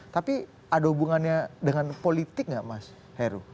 tapi ada hubungannya dengan politik nggak mas heru